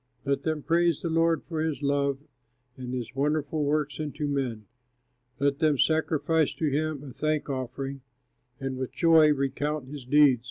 Let them praise the Lord for his love, And his wonderful works unto men! Let them sacrifice to him a thank offering, And with joy recount his deeds.